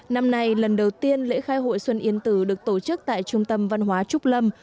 năm nay lần đầu tiên lễ khai hội xuân yên tử được tổ chức tại trung tâm văn hóa trúc lâm